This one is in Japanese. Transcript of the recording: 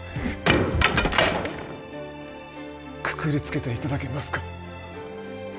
くくりつけて頂けますか？